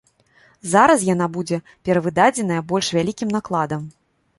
Зараз яна будзе перавыдадзеная больш вялікім накладам.